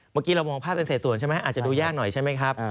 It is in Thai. เมื่อกี้เรามองภาพเป็นเศษส่วนใช่ไหมอาจจะดูยากหน่อยใช่ไหมครับ